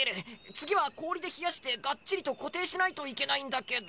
つぎはこおりでひやしてがっちりとこていしないといけないんだけど。